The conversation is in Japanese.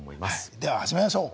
では始めましょう。